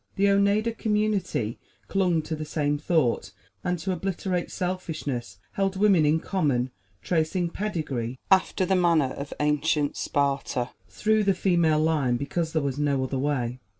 The Oneida Community clung to the same thought, and to obliterate selfishness held women in common, tracing pedigree, after the manner of ancient Sparta, through the female line, because there was no other way.